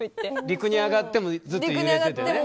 陸に上がってもずっと揺れててね。